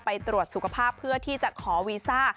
ไปตรวจสุขภาพเพื่อที่จะขอวีซ่า